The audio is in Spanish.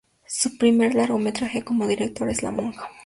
Su primer largometraje como director es "La monja".